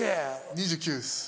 ２９です。